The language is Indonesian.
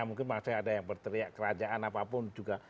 mungkin maksudnya ada yang berteriak kerajaan apapun juga